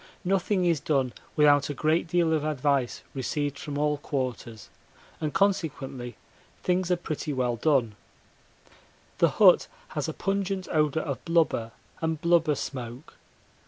Nothing is done without a great amount of advice received from all quarters, and consequently things are pretty well done. The hut has a pungent odour of blubber and blubber smoke.